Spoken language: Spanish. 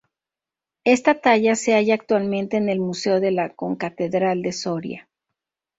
Esta talla se halla actualmente en el museo de la Concatedral de Soria.